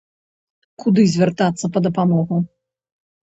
Куды звяртацца па дапамогу?